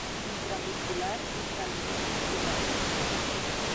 Intramuscular, intravenosa y oral.